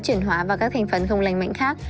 chuyển hóa vào các thành phần không lành mạnh khác